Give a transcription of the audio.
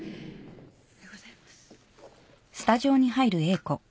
おはようございます。